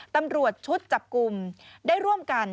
ตำรวจชุดจับกลุ่มได้ร่วมกัน